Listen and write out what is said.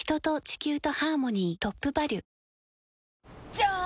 じゃーん！